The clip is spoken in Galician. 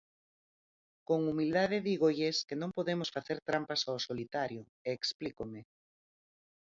Con humildade dígolles que non podemos facer trampas ao solitario, e explícome.